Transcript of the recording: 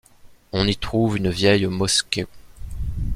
On y trouve une vieille mosquée.